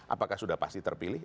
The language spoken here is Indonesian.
apakah sudah pasti terpilih